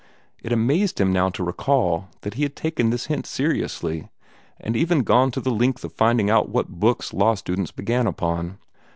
It amazed him now to recall that he had taken this hint seriously, and even gone to the length of finding out what books law students began upon.